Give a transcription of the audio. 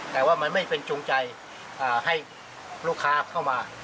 แต่ว่ามันไม่เป็นจูงใจให้ลูกค้าเข้ามา